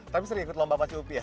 tapi sering ikut lomba pacu upiah